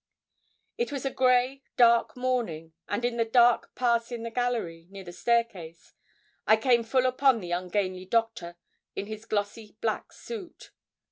It was a grey, dark morning, and in a dark pass in the gallery, near the staircase, I came full upon the ungainly Doctor, in his glossy black suit.